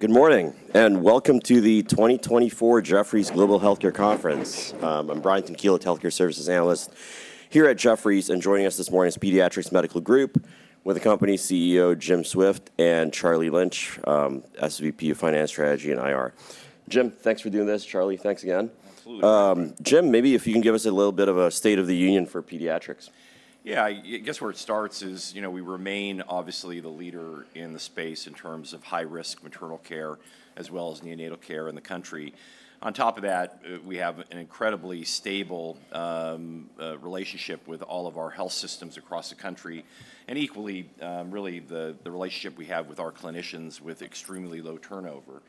Good morning, and welcome to the 2024 Jefferies Global Healthcare Conference. I'm Brian Tanquilut, Healthcare Services Analyst here at Jefferies, and joining us this morning is Pediatrix Medical Group, with the company's CEO, Jim Swift, and Charlie Lynch, SVP of Finance, Strategy, and IR. Jim, thanks for doing this. Charlie, thanks again. Absolutely. Jim, maybe if you can give us a little bit of a state of the union for Pediatrix. Yeah, I guess where it starts is, you know, we remain obviously the leader in the space in terms of high-risk maternal care, as well as neonatal care in the country. On top of that, we have an incredibly stable relationship with all of our health systems across the country, and equally, really, the relationship we have with our clinicians with extremely low turnover.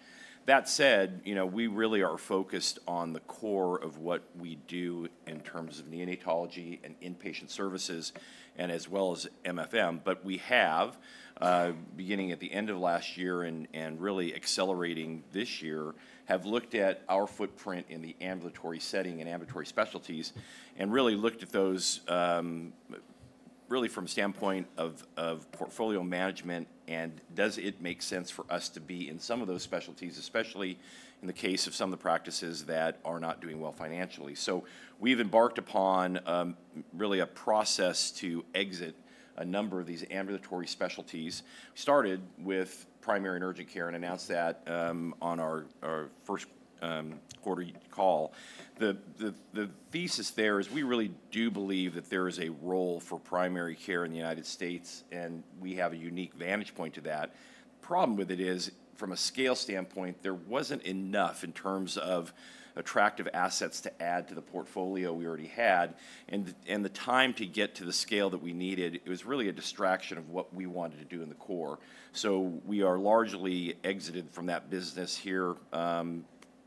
That said, you know, we really are focused on the core of what we do in terms of neonatology and inpatient services, and as well as MFM. But we have, beginning at the end of last year and really accelerating this year, have looked at our footprint in the ambulatory setting and ambulatory specialties, and really looked at those, really from standpoint of portfolio management and does it make sense for us to be in some of those specialties, especially in the case of some of the practices that are not doing well financially. So we've embarked upon, really a process to exit a number of these ambulatory specialties, started with primary and urgent care, and announced that, on our first quarter call. The thesis there is we really do believe that there is a role for primary care in the United States, and we have a unique vantage point to that. Problem with it is, from a scale standpoint, there wasn't enough in terms of attractive assets to add to the portfolio we already had, and the time to get to the scale that we needed, it was really a distraction of what we wanted to do in the core. So we are largely exited from that business here,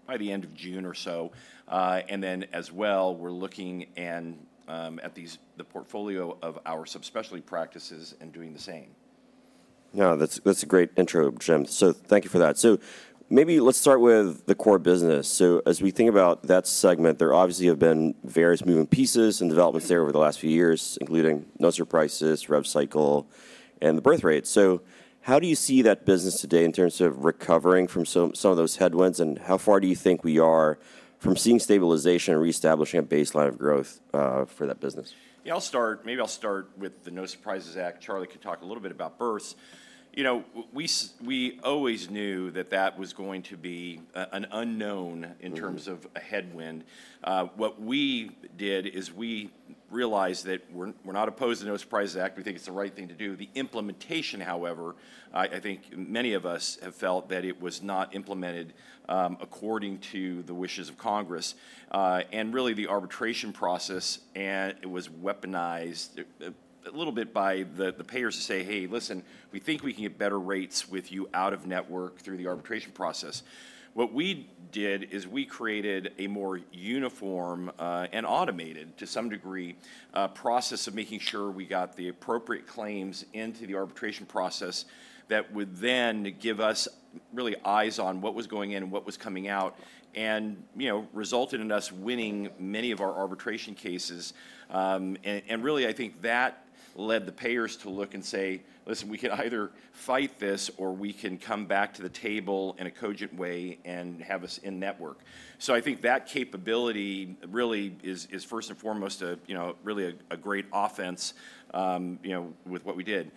by the end of June or so. And then as well, we're looking at the portfolio of our subspecialty practices and doing the same. No, that's, that's a great intro, Jim. Thank you for that. Maybe let's start with the core business. As we think about that segment, there obviously have been various moving pieces and developments there over the last few years, including no surprises, rev cycle, and the birthrate. How do you see that business today in terms of recovering from some, some of those headwinds, and how far do you think we are from seeing stabilization and reestablishing a baseline of growth for that business? Yeah, I'll start, maybe I'll start with the No Surprises Act. Charlie can talk a little bit about births. You know, we always knew that that was going to be a, an unknown- Mm-hmm... in terms of a headwind. What we did is we realized that we're not opposed to No Surprises Act. We think it's the right thing to do. The implementation, however, I think many of us have felt that it was not implemented according to the wishes of Congress. And really, the arbitration process, and it was weaponized a little bit by the payers to say, "Hey, listen, we think we can get better rates with you out of network through the arbitration process." What we did is we created a more uniform and automated, to some degree, process of making sure we got the appropriate claims into the arbitration process that would then give us really eyes on what was going in and what was coming out, and you know, resulted in us winning many of our arbitration cases. And really, I think that led the payers to look and say: Listen, we can either fight this, or we can come back to the table in a cogent way and have us in network. So I think that capability really is first and foremost, a, you know, really a great offense, you know, with what we did.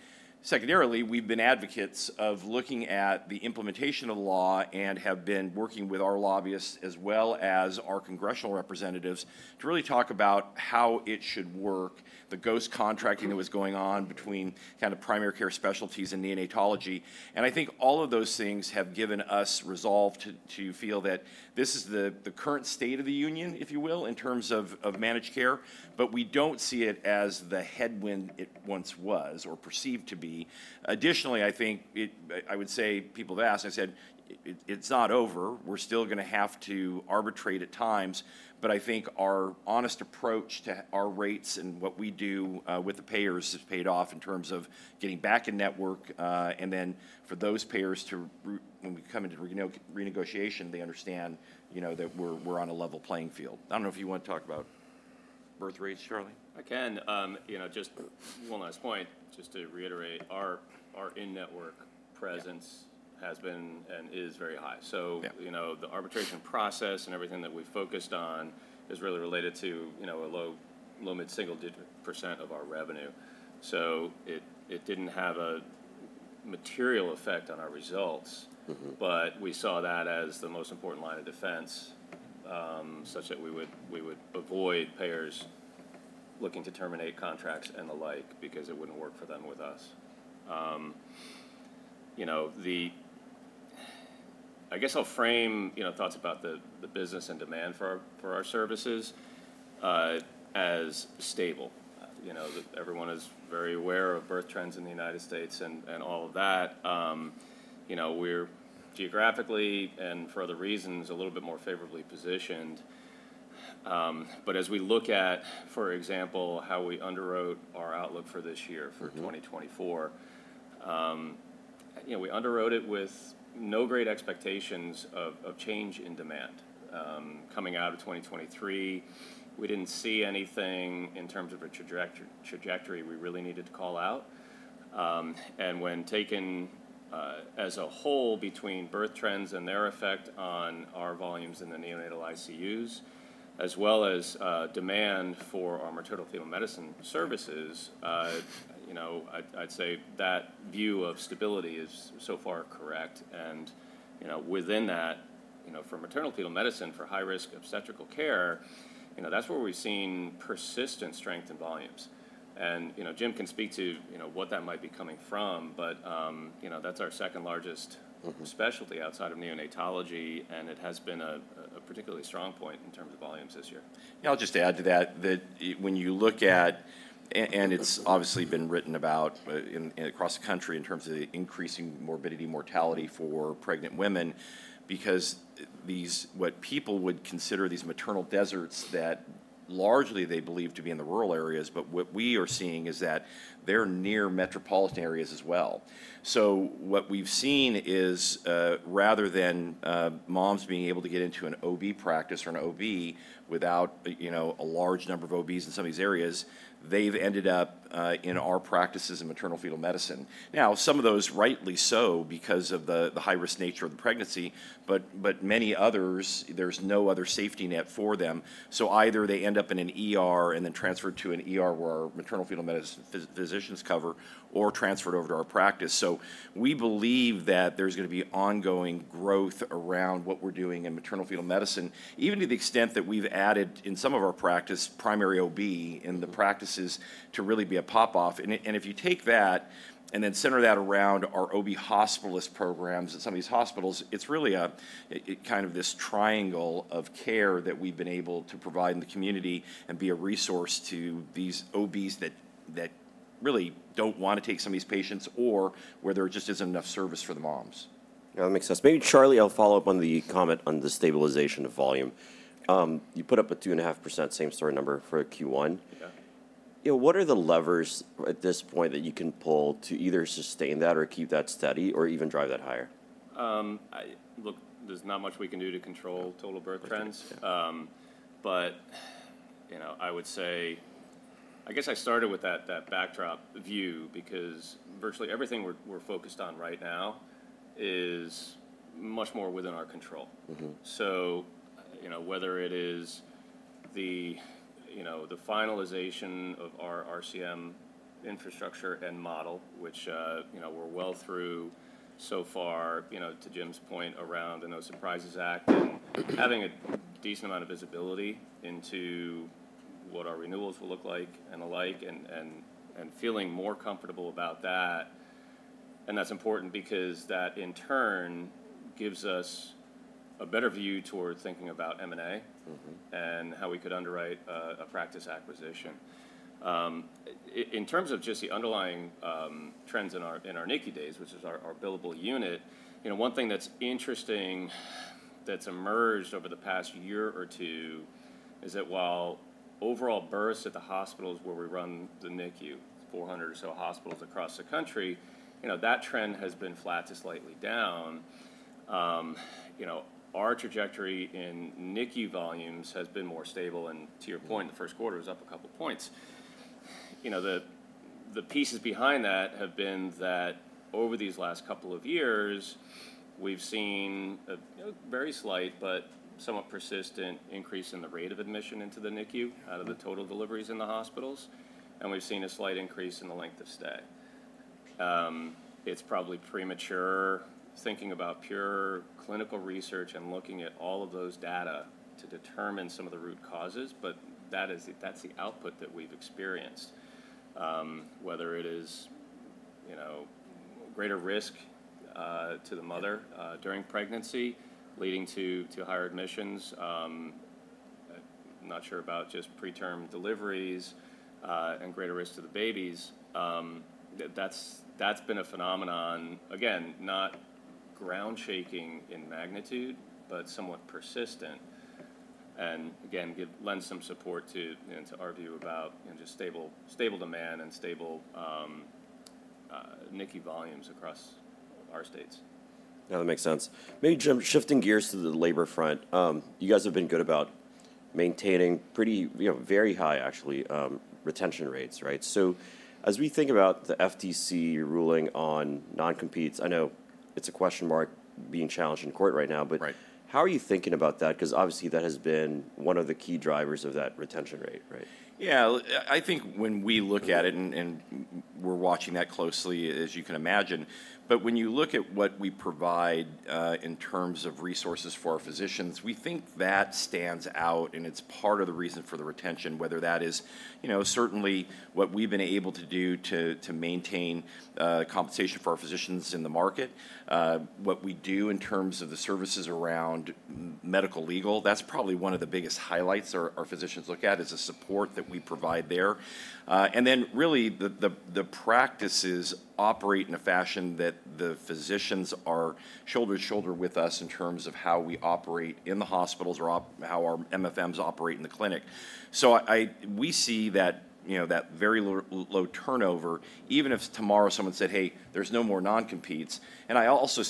Secondarily, we've been advocates of looking at the implementation of the law and have been working with our lobbyists as well as our congressional representatives, to really talk about how it should work, the ghost contracting that was going on between kind of primary care specialties and neonatology. And I think all of those things have given us resolve to feel that this is the current state of the union, if you will, in terms of managed care, but we don't see it as the headwind it once was or perceived to be. Additionally, I think I would say, people have asked, I said, "It's not over. We're still gonna have to arbitrate at times," but I think our honest approach to our rates and what we do with the payers has paid off in terms of getting back in network, and then for those payers to renegotiation, they understand, you know, that we're on a level playing field. I don't know if you want to talk about birthrates, Charlie. I can. You know, just one last point, just to reiterate, our in-network presence- Yeah... has been and is very high. So- Yeah... you know, the arbitration process and everything that we focused on is really related to, you know, a low, low-mid single digit % of our revenue. So it didn't have a material effect on our results. Mm-hmm. But we saw that as the most important line of defense, such that we would avoid payers looking to terminate contracts and the like because it wouldn't work for them with us. You know, I guess I'll frame, you know, thoughts about the business and demand for our services as stable. You know, everyone is very aware of birth trends in the United States and all of that. You know, we're geographically and for other reasons, a little bit more favorably positioned. But as we look at, for example, how we underwrote our outlook for this year. Mm-hmm... for 2024, you know, we underwrote it with no great expectations of change in demand. Coming out of 2023, we didn't see anything in terms of a trajectory we really needed to call out. And when taken as a whole between birth trends and their effect on our volumes in the neonatal ICUs, as well as demand for our maternal-fetal medicine services, you know, I'd say that view of stability is so far correct. And, you know, within that, you know, for maternal-fetal medicine, for high-risk obstetrical care, you know, that's where we've seen persistent strength in volumes. And, you know, Jim can speak to, you know, what that might be coming from, but, you know, that's our second-largest- Mm-hmm - specialty outside of neonatology, and it has been a particularly strong point in terms of volumes this year. Yeah, I'll just add to that, that when you look at, and it's obviously been written about, in across the country in terms of the increasing morbidity, mortality for pregnant women, because these, what people would consider these maternal deserts that largely they believe to be in the rural areas, but what we are seeing is that they're near metropolitan areas as well. So what we've seen is, rather than, moms being able to get into an OB practice or an OB without, you know, a large number of OBs in some of these areas, they've ended up, in our practices in maternal-fetal medicine. Now, some of those, rightly so, because of the, the high-risk nature of the pregnancy, but, but many others, there's no other safety net for them. So either they end up in an ER and then transferred to an ER where our maternal-fetal medicine physicians cover or transferred over to our practice. So we believe that there's gonna be ongoing growth around what we're doing in maternal-fetal medicine, even to the extent that we've added, in some of our practice, primary OB- Mm-hmm in the practices to really be a pop-off. And if you take that and then center that around our OB hospitalist programs at some of these hospitals, it's really a kind of this triangle of care that we've been able to provide in the community and be a resource to these OBs that really don't wanna take some of these patients or where there just isn't enough service for the moms. Yeah, that makes sense. Maybe, Charlie, I'll follow up on the comment on the stabilization of volume. You put up a 2.5% same-store number for Q1. Yeah. You know, what are the levers at this point that you can pull to either sustain that or keep that steady or even drive that higher? Look, there's not much we can do to control total birth trends. Okay. But, you know, I would say... I guess I started with that backdrop view because virtually everything we're focused on right now is much more within our control. Mm-hmm. So, you know, whether it is the, you know, the finalization of our RCM infrastructure and model, which, you know, we're well through so far, you know, to Jim's point around the No Surprises Act, and having a decent amount of visibility into what our renewals will look like and the like, and, and, and feeling more comfortable about that. And that's important because that, in turn, gives us a better view toward thinking about M&A- Mm-hmm and how we could underwrite a practice acquisition. In terms of just the underlying trends in our NICU days, which is our billable unit, you know, one thing that's interesting that's emerged over the past year or two is that while overall births at the hospitals where we run the NICU, 400 or so hospitals across the country, you know, that trend has been flat to slightly down. You know, our trajectory in NICU volumes has been more stable, and to your point, in the first quarter, it was up a couple points. You know, the pieces behind that have been that over these last couple of years, we've seen a very slight but somewhat persistent increase in the rate of admission into the NICU. Mm-hmm out of the total deliveries in the hospitals, and we've seen a slight increase in the length of stay. It's probably premature thinking about pure clinical research and looking at all of those data to determine some of the root causes, but that's the output that we've experienced. Whether it is, you know, greater risk to the mother during pregnancy, leading to higher admissions, not sure about just preterm deliveries, and greater risk to the babies, that's been a phenomenon, again, not ground-shaking in magnitude, but somewhat persistent. And again, lend some support to, you know, to our view about, you know, just stable, stable demand and stable NICU volumes across our states. Yeah, that makes sense. Maybe, Jim, shifting gears to the labor front, you guys have been good about maintaining pretty, you know, very high, actually, retention rates, right? So as we think about the FTC ruling on noncompetes, I know it's a question mark being challenged in court right now, but- Right... how are you thinking about that? Because obviously, that has been one of the key drivers of that retention rate, right? Yeah, I think when we look at it, and we're watching that closely, as you can imagine, but when you look at what we provide in terms of resources for our physicians, we think that stands out, and it's part of the reason for the retention, whether that is, you know, certainly what we've been able to do to maintain compensation for our physicians in the market. What we do in terms of the services around medical, legal, that's probably one of the biggest highlights our physicians look at, is the support that we provide there. And then really, the practices operate in a fashion that the physicians are shoulder to shoulder with us in terms of how we operate in the hospitals or how our MFMs operate in the clinic. So we see that, you know, that very low turnover, even if tomorrow someone said, "Hey, there's no more noncompetes." And I also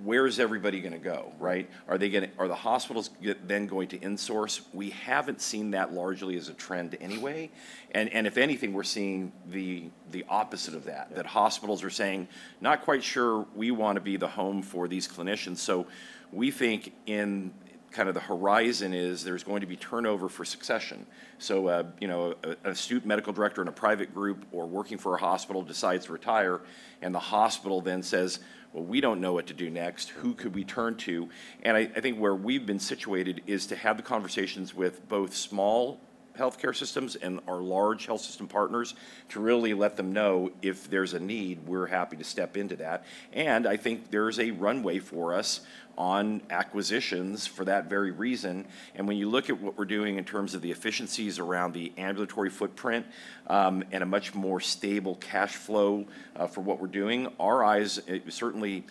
say, where is everybody going to go, right? Are the hospitals then going to insource? We haven't seen that largely as a trend anyway, and if anything, we're seeing the opposite of that, that hospitals are saying, "Not quite sure we want to be the home for these clinicians." So we think in kind of the horizon is there's going to be turnover for succession. So, you know, an astute medical director in a private group or working for a hospital decides to retire, and the hospital then says, "Well, we don't know what to do next. Who could we turn to?" And I, I think where we've been situated is to have the conversations with both small healthcare systems and our large health system partners to really let them know if there's a need, we're happy to step into that. And I think there's a runway for us on acquisitions for that very reason. And when you look at what we're doing in terms of the efficiencies around the ambulatory footprint, and a much more stable cash flow, for what we're doing, our eyes, it certainly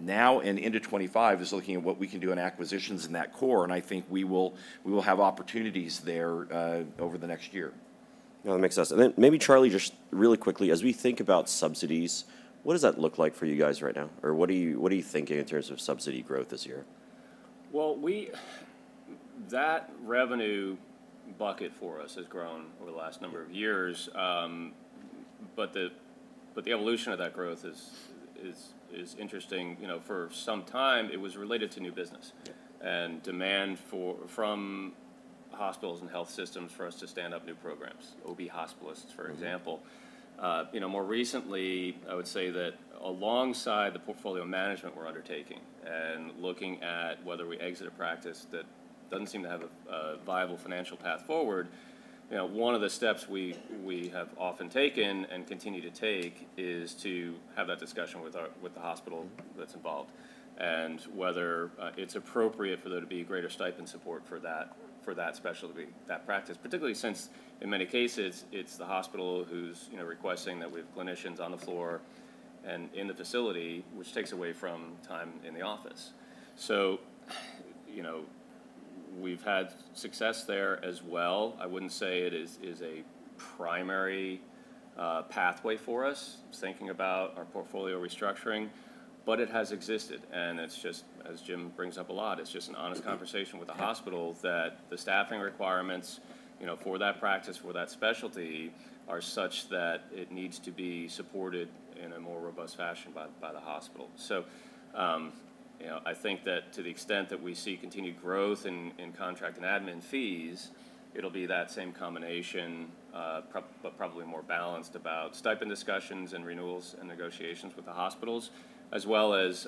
now and into 2025, is looking at what we can do on acquisitions in that core, and I think we will, we will have opportunities there, over the next year. Well, that makes sense. And then maybe, Charlie, just really quickly, as we think about subsidies, what does that look like for you guys right now? Or what are you thinking in terms of subsidy growth this year? Well, that revenue bucket for us has grown over the last number of years, but the evolution of that growth is interesting. You know, for some time, it was related to new business- Yeah... and demand for, from hospitals and health systems for us to stand up new programs, OB hospitalists, for example. Mm-hmm. You know, more recently, I would say that alongside the portfolio management we're undertaking and looking at whether we exit a practice that doesn't seem to have a viable financial path forward, you know, one of the steps we have often taken and continue to take is to have that discussion with our with the hospital- Mm-hmm... that's involved and whether it's appropriate for there to be greater stipend support for that, for that specialty, that practice, particularly since, in many cases, it's the hospital who's, you know, requesting that we have clinicians on the floor and in the facility, which takes away from time in the office. So, you know, we've had success there as well. I wouldn't say it is a primary pathway for us, thinking about our portfolio restructuring, but it has existed, and it's just, as Jim brings up a lot, it's just an honest conversation with the hospital that the staffing requirements, you know, for that practice, for that specialty, are such that it needs to be supported in a more robust fashion by the hospital. So, you know, I think that to the extent that we see continued growth in contract and admin fees, it'll be that same combination, but probably more balanced about stipend discussions and renewals and negotiations with the hospitals, as well as,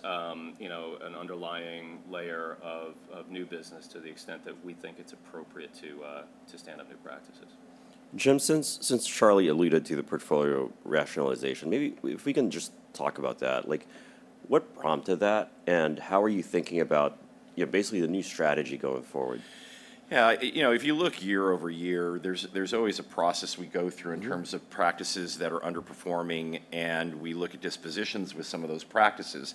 you know, an underlying layer of new business to the extent that we think it's appropriate to stand up new practices. Jim, since Charlie alluded to the portfolio rationalization, maybe if we can just talk about that. Like, what prompted that, and how are you thinking about, you know, basically the new strategy going forward? Yeah, you know, if you look year-over-year, there's always a process we go through- Mm-hmm... in terms of practices that are underperforming, and we look at dispositions with some of those practices.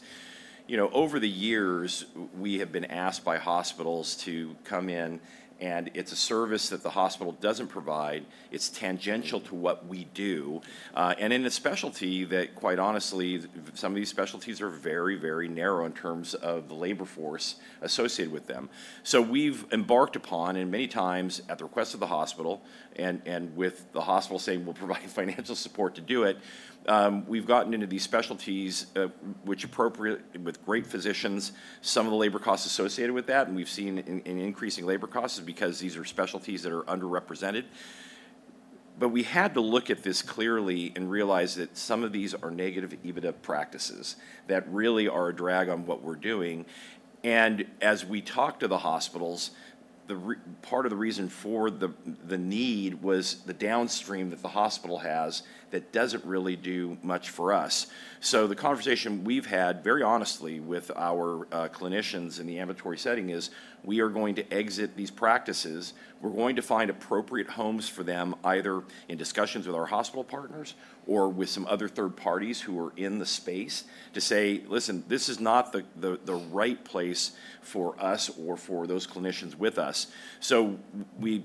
You know, over the years, we have been asked by hospitals to come in, and it's a service that the hospital doesn't provide. It's tangential to what we do, and in a specialty that, quite honestly, some of these specialties are very, very narrow in terms of the labor force associated with them. So we've embarked upon, and many times at the request of the hospital, and with the hospital saying, "We'll provide financial support to do it," we've gotten into these specialties, which appropriate with great physicians, some of the labor costs associated with that, and we've seen an increasing labor cost is because these are specialties that are underrepresented. But we had to look at this clearly and realize that some of these are negative EBITDA practices that really are a drag on what we're doing. And as we talk to the hospitals, the real part of the reason for the need was the downstream that the hospital has that doesn't really do much for us. So the conversation we've had very honestly with our clinicians in the ambulatory setting is, we are going to exit these practices. We're going to find appropriate homes for them, either in discussions with our hospital partners or with some other third parties who are in the space, to say, "Listen, this is not the right place for us or for those clinicians with us." So we, you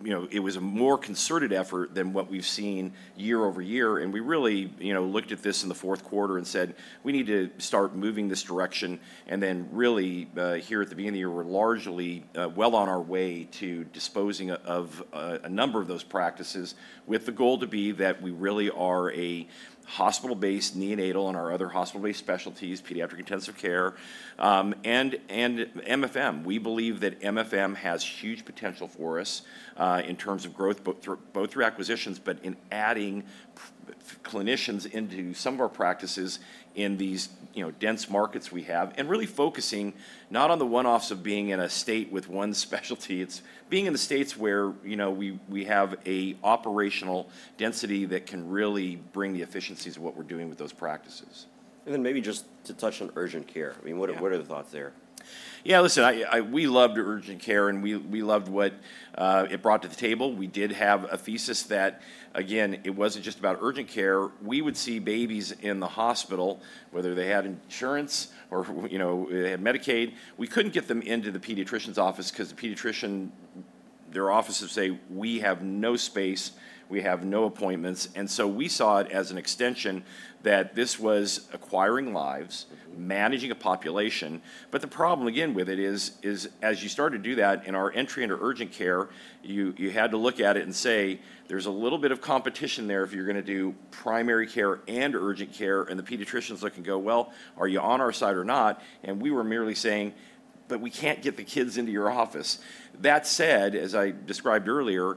know, it was a more concerted effort than what we've seen year-over-year, and we really, you know, looked at this in the fourth quarter and said, "We need to start moving this direction." And then really, here at the beginning of the year, we're largely well on our way to disposing of a number of those practices, with the goal to be that we really are a hospital-based neonatal and our other hospital-based specialties, pediatric intensive care, and MFM. We believe that MFM has huge potential for us in terms of growth, both through acquisitions, but in adding clinicians into some of our practices in these, you know, dense markets we have, and really focusing not on the one-offs of being in a state with one specialty. It's being in the states where, you know, we have an operational density that can really bring the efficiencies of what we're doing with those practices. Maybe just to touch on urgent care- Yeah... I mean, what, what are the thoughts there? Yeah, listen, we loved urgent care, and we loved what it brought to the table. We did have a thesis that, again, it wasn't just about urgent care. We would see babies in the hospital, whether they had insurance or, you know, they had Medicaid. We couldn't get them into the pediatrician's office because their offices say, "We have no space, we have no appointments." And so we saw it as an extension, that this was acquiring lives- Mm-hmm. managing a population. But the problem again with it is as you start to do that in our entry into urgent care, you had to look at it and say, "There's a little bit of competition there if you're gonna do primary care and urgent care." And the pediatricians look and go, "Well, are you on our side or not?" And we were merely saying, "But we can't get the kids into your office." That said, as I described earlier,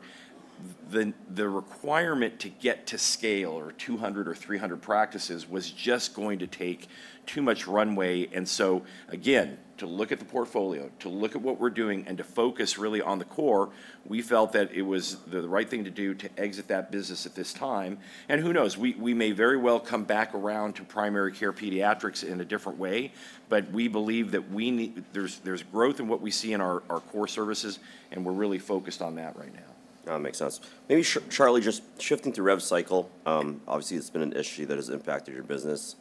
the requirement to get to scale, or 200 or 300 practices, was just going to take too much runway. And so, again, to look at the portfolio, to look at what we're doing, and to focus really on the core, we felt that it was the right thing to do to exit that business at this time. And who knows? We may very well come back around to primary care pediatrics in a different way, but we believe that we need. There's growth in what we see in our core services, and we're really focused on that right now. That makes sense. Maybe Charlie, just shifting to rev cycle, obviously it's been an issue that has impacted your business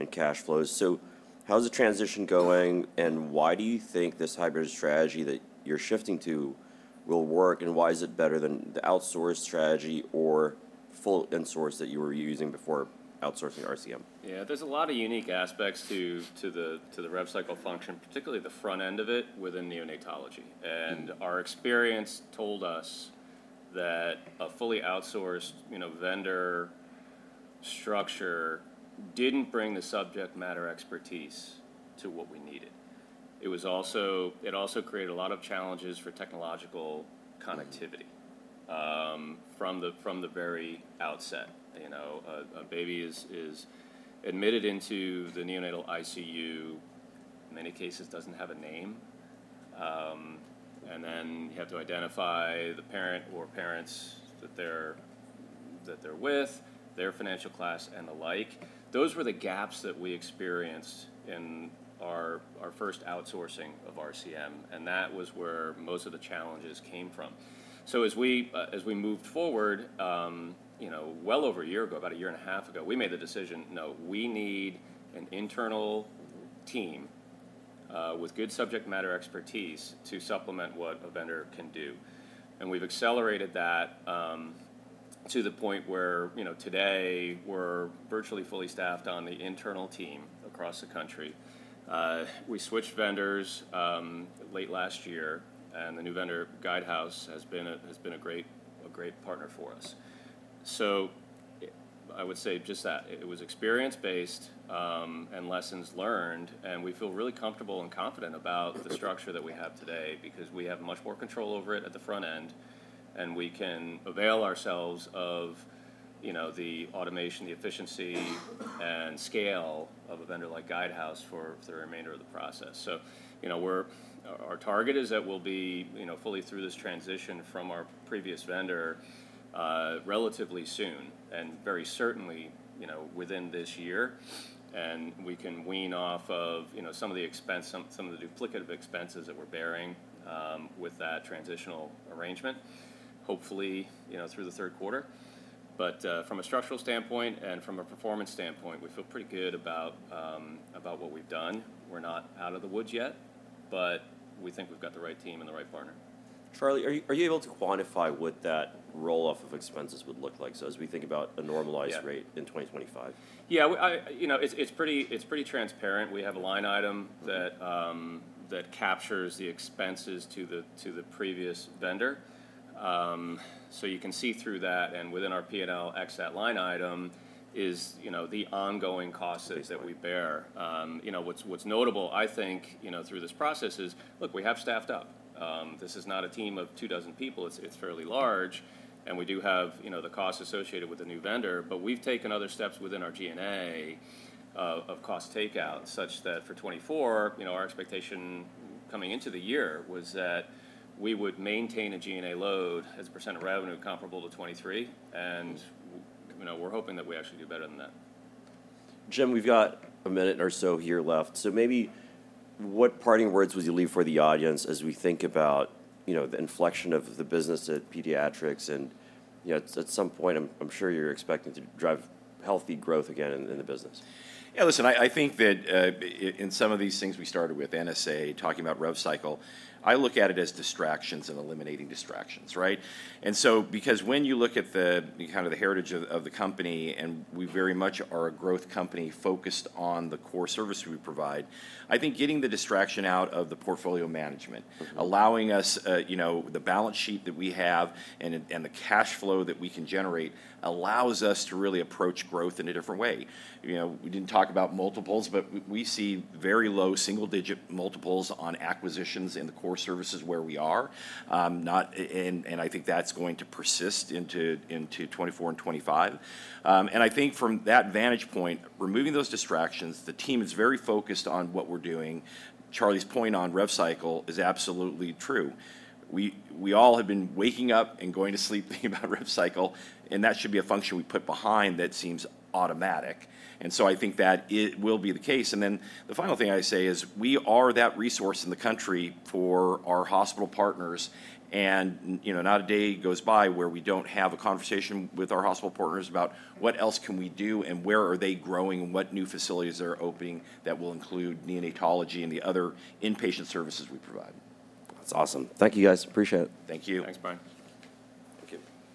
and cash flows. So how's the transition going, and why do you think this hybrid strategy that you're shifting to will work, and why is it better than the outsource strategy or full in-source that you were using before outsourcing RCM? Yeah, there's a lot of unique aspects to the rev cycle function, particularly the front end of it within neonatology. And our experience told us that a fully outsourced, you know, vendor structure didn't bring the subject matter expertise to what we needed. It was also. It also created a lot of challenges for technological connectivity from the very outset. You know, a baby is admitted into the Neonatal ICU, in many cases, doesn't have a name. And then you have to identify the parent or parents that they're with, their financial class, and the like. Those were the gaps that we experienced in our first outsourcing of RCM, and that was where most of the challenges came from. So as we, as we moved forward, you know, well over a year ago, about a year and a half ago, we made the decision, "No, we need an internal team, with good subject matter expertise to supplement what a vendor can do." And we've accelerated that, to the point where, you know, today we're virtually fully staffed on the internal team across the country. We switched vendors, late last year, and the new vendor, Guidehouse, has been a, has been a great, a great partner for us. So I would say just that. It was experience-based, and lessons learned, and we feel really comfortable and confident about the structure that we have today because we have much more control over it at the front end, and we can avail ourselves of, you know, the automation, the efficiency, and scale of a vendor like Guidehouse for the remainder of the process. So, you know, we're our target is that we'll be, you know, fully through this transition from our previous vendor, relatively soon, and very certainly, you know, within this year. And we can wean off of, you know, some of the expense, some, some of the duplicative expenses that we're bearing, with that transitional arrangement, hopefully, you know, through the third quarter. But, from a structural standpoint and from a performance standpoint, we feel pretty good about, about what we've done. We're not out of the woods yet, but we think we've got the right team and the right partner. Charlie, are you able to quantify what that roll-off of expenses would look like? So as we think about a normalized- Yeah... rate in 2025. Yeah, I, you know, it's pretty transparent. We have a line item that captures the expenses to the previous vendor. So you can see through that, and within our P&L, ex, that line item is, you know, the ongoing costs- Exactly... that we bear. You know, what's notable, I think, you know, through this process is, look, we have staffed up. This is not a team of two dozen people. It's, it's fairly large, and we do have, you know, the costs associated with the new vendor. But we've taken other steps within our G&A of, of cost takeout, such that for 2024, you know, our expectation coming into the year was that we would maintain a G&A load as a percent of revenue comparable to 2023, and, you know, we're hoping that we actually do better than that. Jim, we've got a minute or so here left, so maybe what parting words would you leave for the audience as we think about, you know, the inflection of the business at Pediatrix? And, you know, at some point, I'm sure you're expecting to drive healthy growth again in the business. Yeah, listen, I think that in some of these things we started with, NSA, talking about rev cycle, I look at it as distractions and eliminating distractions, right? And so, because when you look at the kind of heritage of the company, and we very much are a growth company focused on the core services we provide, I think getting the distraction out of the portfolio management- Mm-hmm... allowing us, you know, the balance sheet that we have and, and the cash flow that we can generate allows us to really approach growth in a different way. You know, we didn't talk about multiples, but we see very low single-digit multiples on acquisitions in the core services where we are, and, and I think that's going to persist into, into 2024 and 2025. And I think from that vantage point, removing those distractions, the team is very focused on what we're doing. Charlie's point on rev cycle is absolutely true. We, we all have been waking up and going to sleep thinking about rev cycle, and that should be a function we put behind that seems automatic. And so I think that it will be the case. Then the final thing I'd say is, we are that resource in the country for our hospital partners. You know, not a day goes by where we don't have a conversation with our hospital partners about what else can we do and where are they growing and what new facilities are opening that will include neonatology and the other inpatient services we provide. That's awesome. Thank you, guys. Appreciate it. Thank you. Thanks. Bye. Thank you.